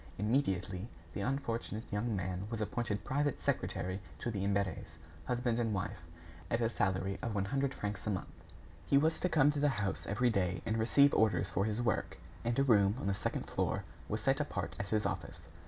Immediately, the unfortunate young man was appointed private secretary to the Imberts, husband and wife, at a salary of one hundred francs a month. He was to come to the house every day and receive orders for his work, and a room on the second floor was set apart as his office.